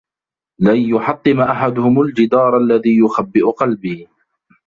لن يحطم أحدهم الجدار الذي يخبئ قلبي.